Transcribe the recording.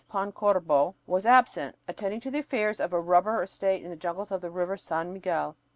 Pancorbo, was absent, attending to the affairs of a rubber estate in the jungles of the river San Miguel.